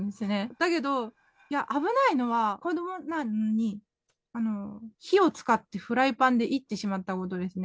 だけど危ないのは、子どもなのに火を使って、フライパンでいってしまったことですね。